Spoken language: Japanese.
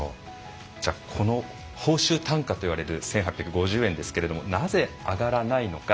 この報酬単価といわれる１８５０円ですけどもなぜ上がらないのか。